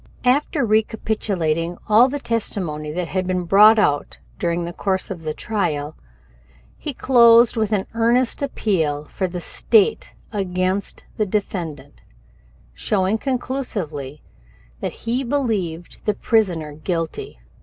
After recapitulating all the testimony that had been brought out during the course of the trial, he closed with an earnest appeal for the State against the defendant, showing conclusively that he believed the prisoner guilty.